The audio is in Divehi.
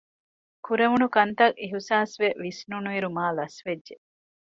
ކުރެވުނުކަންތައް އިހުސާސްވެ ވިސްނުނުއިރު މާލަސްވެއްޖެ